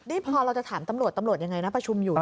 นี่พอเราจะถามตำรวจตำรวจยังไงนะประชุมอยู่